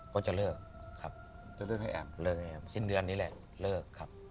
ก็จะเลิกครับจะเลือกให้แอมเลิกแอมสิ้นเดือนนี้แหละเลิกครับ